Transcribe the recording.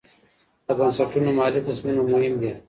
د بنسټونو مالي تصمیمونه مهم دي.